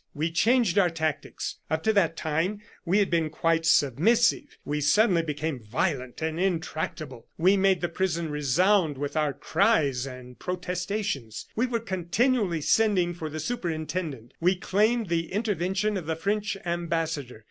"We changed our tactics. Up to that time we had been quite submissive; we suddenly became violent and intractable. We made the prison resound with our cries and protestations; we were continually sending for the superintendent; we claimed the intervention of the French ambassador.